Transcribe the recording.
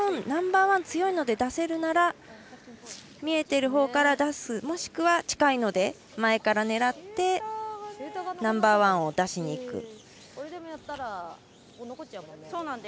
ナンバーワン強いので出せるなら見えているほうから出すもしくは、近いので前から狙ってナンバーワンを出しにいく。